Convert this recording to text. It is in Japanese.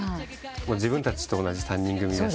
自分たちと同じ３人組だし。